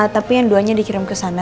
tapi yang duanya dikirim ke sana